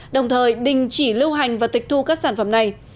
đồng thời đình chỉ lưu hành và tịch thu các sản phẩm này